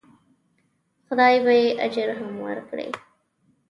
خدای به یې اجر هم ورکړي.